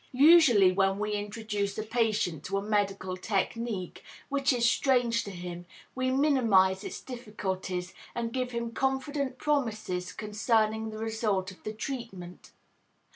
Usually when we introduce a patient to a medical technique which is strange to him we minimize its difficulties and give him confident promises concerning the result of the treatment.